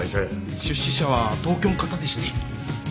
出資者は東京ん方でして。